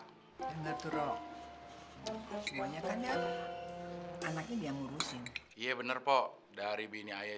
hai bener bener roh semuanya kan anaknya dia ngurusin iya bener pok dari bini ayah